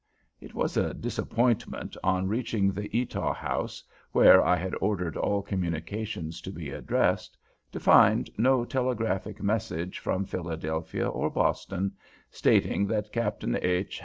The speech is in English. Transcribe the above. It was a disappointment, on reaching the Eutaw House, where I had ordered all communications to be addressed, to find no telegraphic message from Philadelphia or Boston, stating that Captain H.